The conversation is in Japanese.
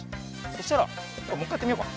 そしたらもう１かいやってみようか。